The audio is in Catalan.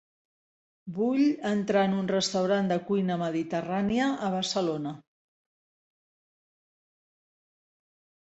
Vull entrar en un restaurant de cuina mediterrània a Barcelona.